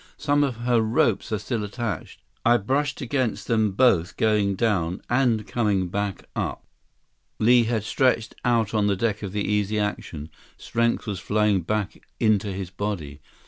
Some of her ropes are still attached. I brushed against them both going down and coming back up." Li had stretched out on the deck of the Easy Action. Strength was flowing back into his body.